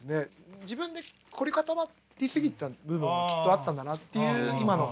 自分で凝り固まり過ぎた部分もきっとあったんだなっていう今の話。